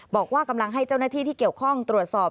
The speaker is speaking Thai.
บอกว่ากำลังให้เจ้าหน้าที่ที่เกี่ยวข้องตรวจสอบ